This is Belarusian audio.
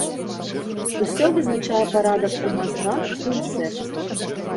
Усё вызначае парадак у мазгах і ў сэрцы.